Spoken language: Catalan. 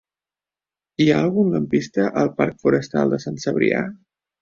Hi ha algun lampista al parc Forestal de Sant Cebrià?